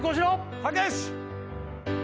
たけし！